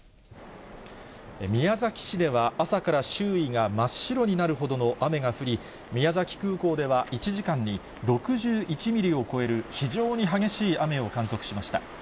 宮崎市では、朝から周囲が真っ白になるほどの雨が降り、宮崎空港では１時間に６１ミリを超える非常に激しい雨を観測しました。